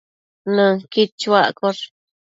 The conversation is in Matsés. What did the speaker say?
Nënquid chuaccosh